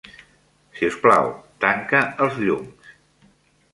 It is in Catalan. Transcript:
Si us plau, tanca els llums.